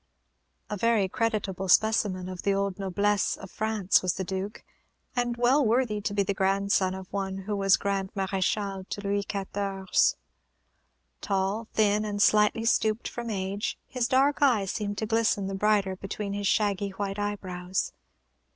A very creditable specimen of the old noblesse of France was the Duke, and well worthy to be the grandson of one who was Grand Maréchal to Louis XIV. Tall, thin, and slightly stooped from age, his dark eye seemed to glisten the brighter beneath his shaggy white eyebrows.